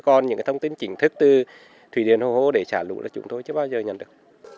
còn những cái thông tin chính thức từ thủy điền hồ hồ để xả lũ là chúng tôi chưa bao giờ nhận được